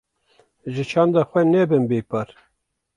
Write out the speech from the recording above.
Ji çanda xwe nebin bê par.